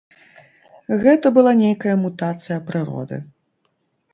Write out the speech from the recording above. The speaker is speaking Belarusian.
Гэта была нейкая мутацыя прыроды.